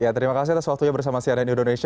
ya terima kasih atas waktunya bersama si anen indonesia